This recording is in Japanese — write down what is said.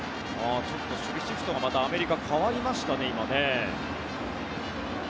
守備シフトがアメリカ、また変わりましたね。